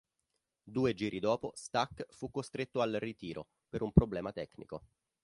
Due giri dopo Stuck fu costretto al ritiro, per un problema tecnico.